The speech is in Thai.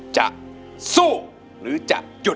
จะสู้หรือจะหยุด